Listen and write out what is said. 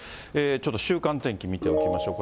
ちょっと週間天気見ておきましょう。